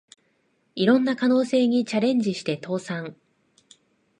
いろんな可能性にチャレンジして倒産